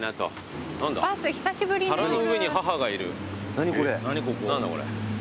何だこれ。